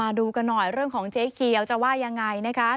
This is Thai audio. ดูกันหน่อยเรื่องของเจ๊เกียวจะว่ายังไงนะคะ